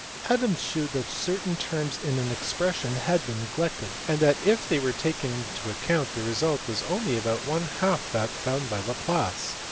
Adams shewed that certain terms in an expression had been neglected, and that if they were taken into account the result was only about one half that found by Laplace.